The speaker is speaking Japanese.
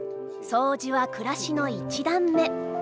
掃除は暮らしの一段目。